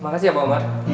makasih ya pak omar